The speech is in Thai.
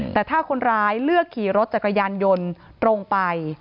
แต่ถ้าคนร้ายเลือกขี่รถจักรยานยนต์ตรงไป